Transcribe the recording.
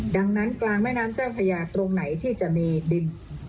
ดังนั้นกลางแม่น้ำเจ้าพระยาตรงไหนที่จะมีดิน